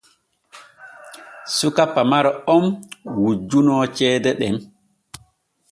Suka pamaro on wujjunoo ceede ɗen.